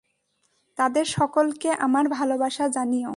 তাদের সকলকে আমার ভালবাসা জানিও।